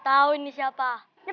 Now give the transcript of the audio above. ah nanti aku nanggung juga